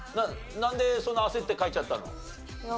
なんでそんな焦って書いちゃったの？